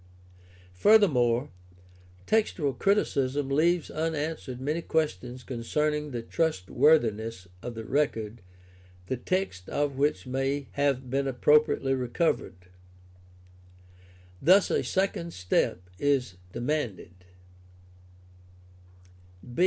Furthermore, textual criticism leaves unanswered many questions concerning the trust worthiness of the record, the text of which may have been approximately recovered. Thus a second step is demanded.